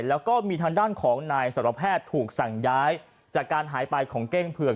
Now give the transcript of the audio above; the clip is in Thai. แล้วก็มีทางด้านของนายสารแพทย์ถูกสั่งย้ายจากการหายไปของเก้งเผือก